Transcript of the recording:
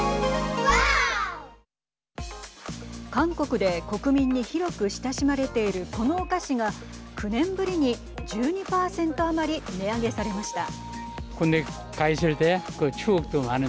韓国で国民に広く親しまれているこのお菓子が９年ぶりに１２％余り値上げされました。